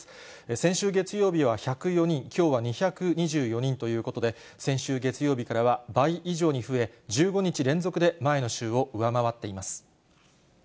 先週月曜日は１０４人、きょうは２２４人ということで、先週月曜日からは倍以上に増え、１５日連続で前の週を上回っています。